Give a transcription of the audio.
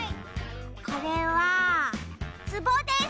これはつぼです！